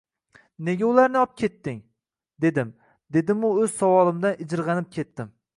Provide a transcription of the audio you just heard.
— Nega ularni opketding? — dedim, dedimu o‘z savolimdan ijirg‘anib ketdim.